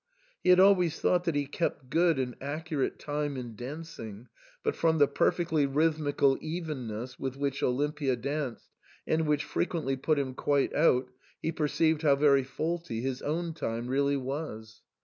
He had always thought that he kept good and accurate time in dancing, but from the perfectly rhythmical evenness with which Olimpia danced, and which frequently put him quite out, he perceived how very faulty his own time really was.